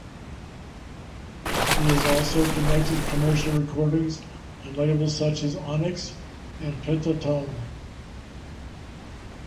He has also conducted commercial recordings on labels such as Onyx and Pentatone.